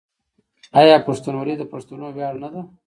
آیا پښتونولي د پښتنو ویاړ نه ده؟